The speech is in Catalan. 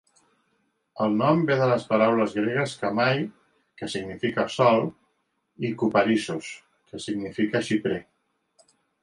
El nom ve de les paraules gregues "khamai", que significa sòl, i "kuparissos", que significa xiprer.